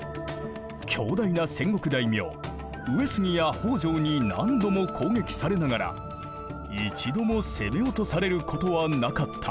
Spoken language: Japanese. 強大な戦国大名上杉や北条に何度も攻撃されながら一度も攻め落とされることはなかった。